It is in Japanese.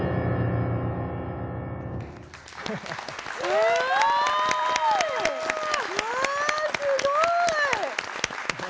すごい！わすごい！